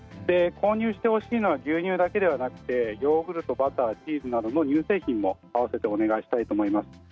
購入してほしいのは牛乳だけではなくてヨーグルト、バターチーズなどの乳製品も合わせてお願いしたいと思います。